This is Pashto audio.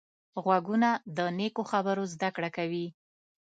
غوږونه له نیکو خبرو زده کړه کوي